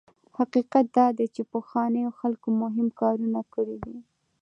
حقیقت دا دی چې پخوانیو خلکو مهم کارونه کړي دي.